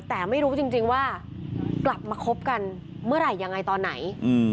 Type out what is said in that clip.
แต่ไม่รู้จริงว่ากลับมาคบกันเมื่อไหร่ยังไงตอนไหน